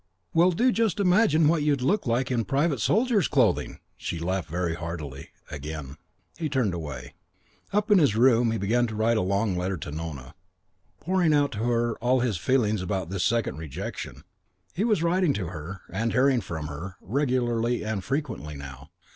"Well, do just imagine what you'd look like in private soldier's clothing!" She laughed very heartily again. He turned away. CHAPTER VII I Up in his room he began a long letter to Nona, pouring out to her all his feelings about this second rejection. He was writing to her and hearing from her regularly and frequently now.